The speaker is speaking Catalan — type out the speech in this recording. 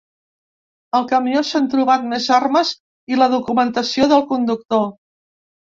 Al camió s’han trobat més armes i la documentació del conductor.